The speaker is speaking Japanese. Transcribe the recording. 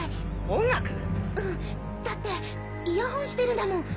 うんだってイヤホンしてるんだもん。